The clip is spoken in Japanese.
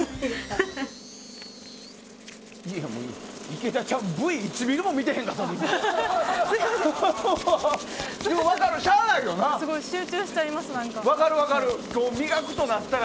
池田ちゃんＶ、１ミリも見てへんかったで。